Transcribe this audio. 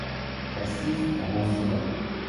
J’assiste à l’incident.